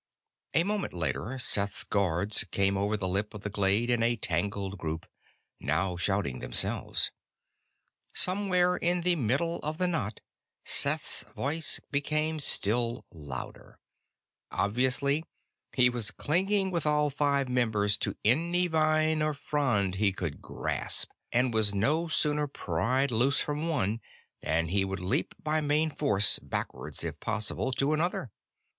A moment later, Seth's guards came over the lip of the glade in a tangled group, now shouting themselves. Somewhere in the middle of the knot Seth's voice became still louder; obviously he was clinging with all five members to any vine or frond he could grasp, and was no sooner pried loose from one than he would leap by main force, backwards if possible, to another.